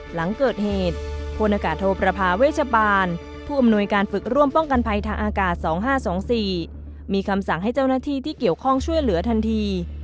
หลังเกิดเหตุพลอากาศโทประพาเวชบาลผู้อำนวยการฝึกร่วมป้องกันภัยทางอากาศ๒๕๒๔มีคำสั่งให้เจ้าหน้าที่ที่เกี่ยวข้องช่วยเหลือทันที